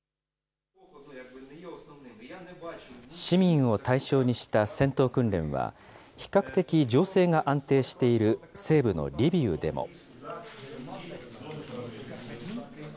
市民を対象にした戦闘訓練は、比較的情勢が安定している西部のリビウでも。